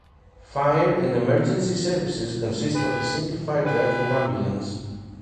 Fire and emergencies services consists of a single fire truck and ambulance.